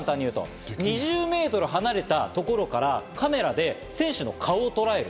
２０ｍ離れた所からカメラで選手の顔をとらえる。